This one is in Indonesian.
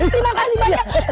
terima kasih banyak